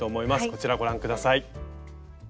こちらご覧下さい。